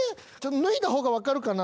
脱いだ方が分かるかな。